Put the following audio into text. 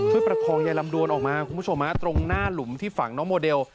ประคองยายลำดวนออกมาคุณผู้ชมฮะตรงหน้าหลุมที่ฝังน้องโมเดล